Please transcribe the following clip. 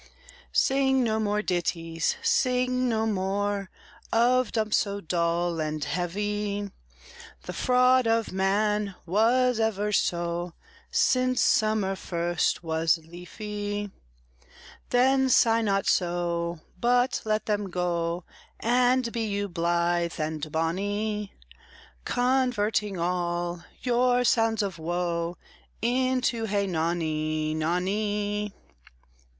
"Sing no more ditties, sing no more, Of dumps so dull and heavy; The fraud of man was ever so, Since summer first was leafy: Then sigh not so, but let them go, And be you blithe and bonny, Converting all your sounds of woe Into Hey nonny, nonny!"